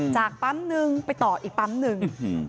จากปั๊มนึงไปต่ออีกปั๊มหนึ่ง